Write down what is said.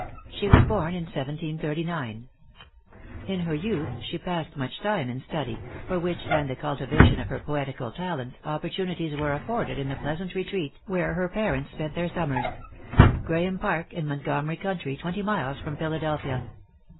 She was born in 1739. In her youth she passed much time in study; for which, and the cultivation of her poetical talents, opportunities were afforded in the pleasant retreat where her parents spent their summers Graeme Park, in Montgomery county, twenty miles from Philadelphia.